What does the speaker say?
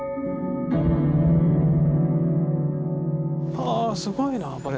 ああすごいなこれ。